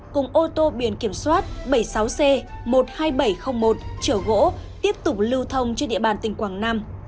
cùng ô tô biển kiểm soát bảy mươi sáu c một mươi hai nghìn bảy trăm linh một chở gỗ tiếp tục lưu thông trên địa bàn tỉnh quảng nam